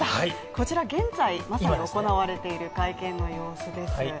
こちら、現在まさに行われている会見の様子です。